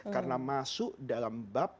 karena masuk dalam bab